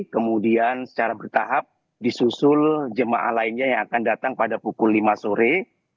kemudian secara bertahap disusul jemaah lainnya yang akan datang pada pukul lima sore